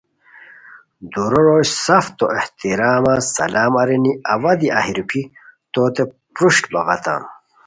دُورو روئے سف تو احترامہ سلام ارینی اوا دی اہی روپھی تو تے پروشٹ بغاتام